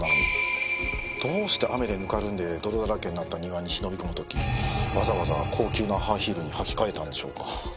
どうして雨でぬかるんで泥だらけになった庭に忍び込む時わざわざ高級なハイヒールに履き替えたんでしょうか。